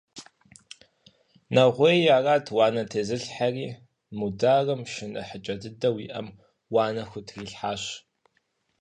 Нэгъуейр арат уанэ тезылъхьэри, Мударым шы нэхъыкӀэ дыдэу иӀэм уанэ хутрилъхьащ.